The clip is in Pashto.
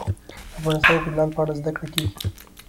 افغانستان کې د لعل په اړه زده کړه کېږي.